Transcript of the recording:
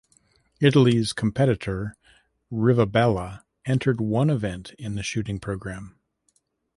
Italy's competitor, Rivabella, entered one event in the shooting program.